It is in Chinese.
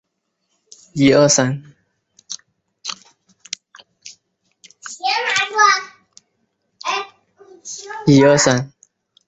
而其中文的语文基础是建基于他中文科小学老师的教导。